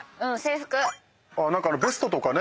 何かベストとかね